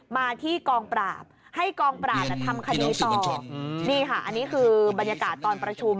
มาที่กองปราบให้กองปราบทำคดีต่อนี่ค่ะอันนี้คือบรรยากาศตอนประชุม